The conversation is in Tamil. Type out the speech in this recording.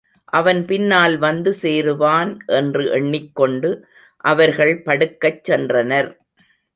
அவன் பின்னால் வந்து சேருவான் என்று எண்ணிக்கொண்டு அவர்கள் படுக்கச் சென்றனர்.